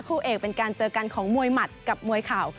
คู่เอกเป็นการเจอกันของมวยหมัดกับมวยเข่า